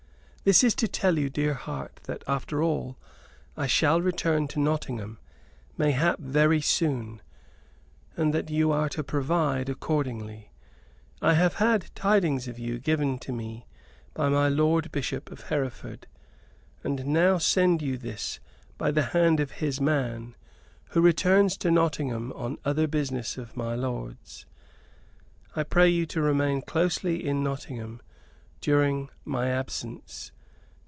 This is to tell you, dear heart, that, after all, I shall return to Nottingham, mayhap very soon, and that you are to provide accordingly. I have had tidings of you given to me by my lord Bishop of Hereford, and now send you this by the hand of his man, who returns to Nottingham on other business of my lord's. I pray you to remain closely in Nottingham during my absence.